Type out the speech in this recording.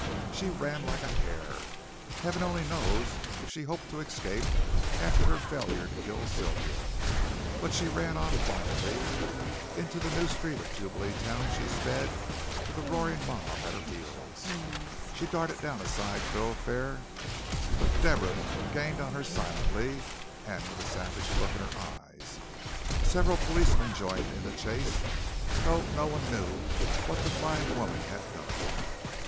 She ran like a hare. Heaven only knows if she hoped to escape after her failure to kill Sylvia, but she ran on blindly. Into the new street of Jubileetown she sped with the roaring mob at her heels. She darted down a side thoroughfare, but Deborah gained on her silently and with a savage look in her eyes. Several policemen joined in the chase, though no one knew what the flying woman had done.